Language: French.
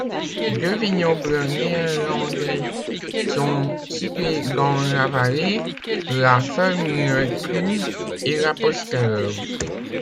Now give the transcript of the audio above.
Deux vignobles néerlandais sont situés dans la vallée, la Ferme Nekum et l'Apostelhoeve.